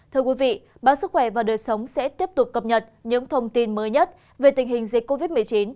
thưa quý vị báo sức khỏe và đời sống sẽ tiếp tục cập nhật những thông tin mới nhất về tình hình dịch covid một mươi chín